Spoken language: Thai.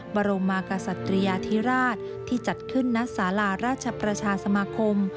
บรมมากษัตริยาธิราชที่จัดขึ้นณศาลาราชประชาสมาคม